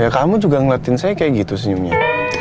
kamu juga ngeliatin saya kayak gitu senyumnya